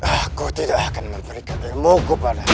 aku tidak akan memberikan ilmuku padamu